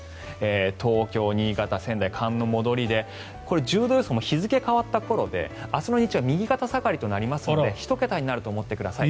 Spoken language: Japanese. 東京、新潟、仙台は寒の戻りで１０度予想も日付が変わったところで明日は右肩下がりになりますので１桁になると思ってください。